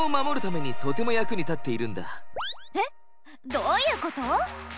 どういうこと？